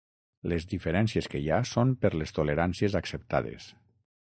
Les diferències que hi ha són per les toleràncies acceptades.